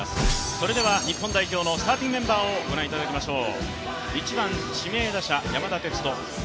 それでは日本代表のスターティングメンバーをご覧いただきましょう。